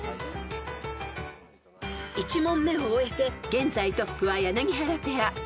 ［一問目を終えて現在トップは柳原ペア］